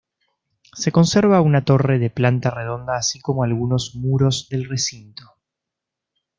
Se conserva una torre de planta redonda así como algunos muros del recinto.